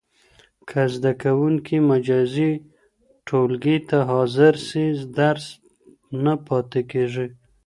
که زده کوونکی مجازي ټولګي ته حاضر سي، درس نه پاته کېږي.